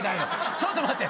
ちょっと待って。